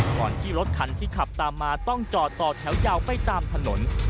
ก่อนที่รถคันที่ขับตามมาต้องจอดต่อแถวยาวไปตามถนน